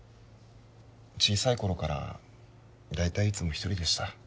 小さい頃から大体いつも一人でした